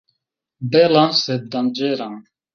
Bela, sed danĝera.